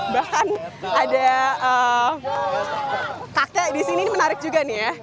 bahkan ada kakek di sini ini menarik juga nih ya